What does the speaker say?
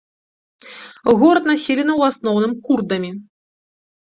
Горад населены ў асноўным курдамі.